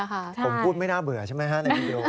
ผมพูดไม่น่าเบื่อใช่ไหมฮะในวีดีโอ